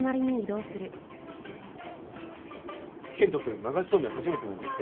健人君流しそうめん初めてなんだって。